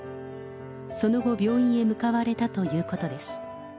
その後、病院へ向かわれたということです。